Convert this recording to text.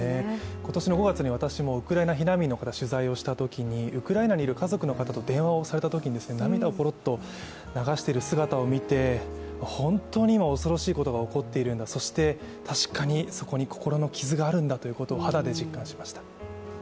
今年の５月に私もウクライナ避難民の方を取材をしたときに、ウクライナにいる家族の方と電話したときに涙をぽろっと流している姿を見て、本当に今、恐ろしいことが起こっているんだ、そして確かにそこに心の傷があるんだということを肌で実感しました。